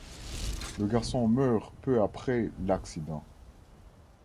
Le garçon meurt peu après l'accident.